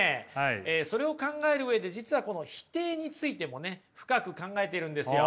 それを考える上で実は否定についてもね深く考えてるんですよ。